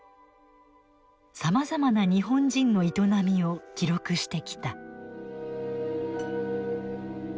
さまざまな日本人の営みを記録してきた。